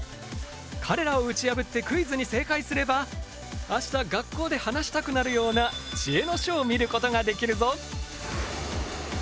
彼らを打ち破ってクイズに正解すれば明日学校で話したくなるような知恵の書を見ることができるぞ！